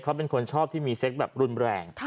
เขาเป็นคนชอบที่มีเซ็กแบบรุนแรง